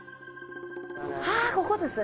ああーここですね！